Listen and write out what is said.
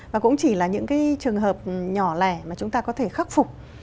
và cũng chỉ là những cái trường hợp nhỏ lẻ mà chúng ta có thể khắc phục